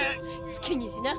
好きにしな。